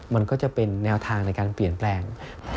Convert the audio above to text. มันก็จะเป็นแนวทางในการเปลี่ยนแปลง